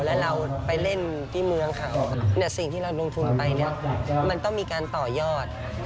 แล้วเราไปเล่นที่เมืองเขาสิ่งที่เราลงทุนไปเนี่ยมันต้องมีการต่อยอด